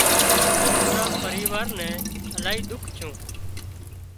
پورا پريوار نين الاهي ۮُک ڇون